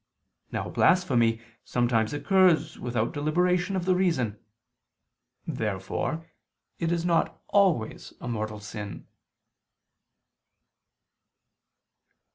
Now blasphemy sometimes occurs without deliberation of the reason. Therefore it is not always a mortal sin.